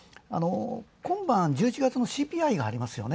今晩１１月のＣＰＩがありますよね